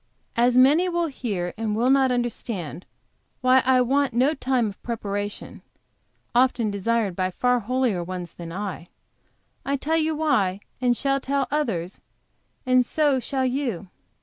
"As many will hear and will not understand, why I want no time of, preparation, often desired by far holier ones than I, I tell you why, and shall tell others, and so shall you.